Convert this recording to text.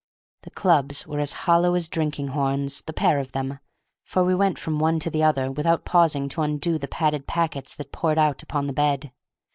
The clubs were as hollow as drinking horns, the pair of them, for we went from one to the other without pausing to undo the padded packets that poured out upon the bed.